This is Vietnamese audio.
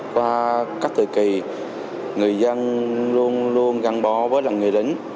qua các thời kỳ người dân luôn luôn gắn bó với lòng người lính